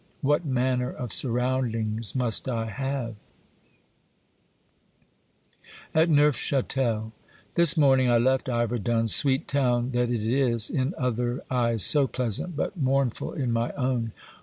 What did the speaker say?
What manner of surroundings must I have ? At Neufch^tel. This morning I left Iverdun, sweet town that it is, in other eyes so pleasant, but mournful in my own.